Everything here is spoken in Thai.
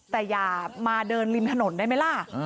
แต่อย่ามาเดินริมถนนได้ไหมล่ะ